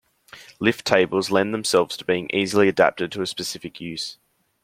Lift tables lend themselves to being easily adapted to a specific use.